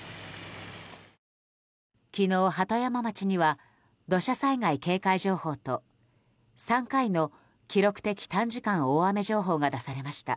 昨日、鳩山町には土砂災害警戒情報と３回の記録的短時間大雨情報が出されました。